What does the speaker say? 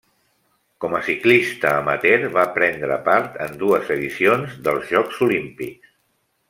Com a ciclista amateur va prendre part en dues edicions dels Jocs Olímpics.